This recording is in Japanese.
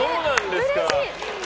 うれしい！